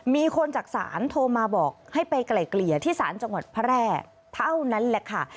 มีคนจากศาลโทรมาบอกให้ไปไกลเกลี่ยที่ศาลจังหวัดพระแร่เท่านั้นแหละค่ะ